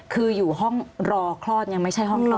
คืออยู่ห้องรอคลอดยังไม่ใช่ห้องคลอด